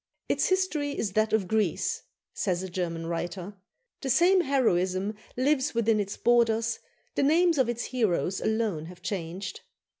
"Its history is that of Greece," says a German writer; "the same heroism lives within its borders, the names of its heroes alone have changed."